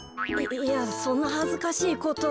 いやそんなはずかしいことは。